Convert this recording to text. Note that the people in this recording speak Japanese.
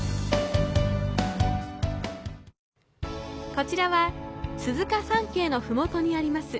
こちらは鈴鹿山系のふもとにあります